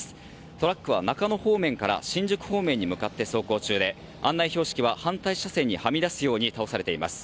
トラックは中野方面から新宿方面に向かって走行中で案内標識は反対車線にはみ出すように倒されています。